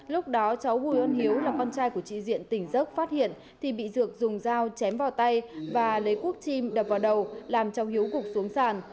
lúc đó cháu bùi văn hiếu là con trai của chị diện tỉnh dốc phát hiện thì bị dược dùng dao chém vào tay và lấy quốc chim đập vào đầu làm cháu hiếu gục xuống sàn